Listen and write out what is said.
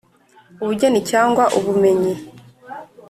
ubugeni cyangwa ubumenyi